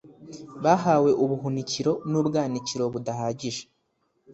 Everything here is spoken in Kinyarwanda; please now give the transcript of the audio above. bahawe ubuhunikiro n’ubwanikiro budahagije